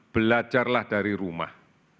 belajarlah dari rumah